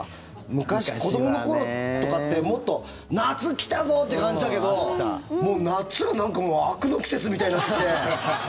昔、子どもの頃とかってもっと夏、来たぞ！って感じだけどもう夏がなんかもう悪の季節みたいになってきて。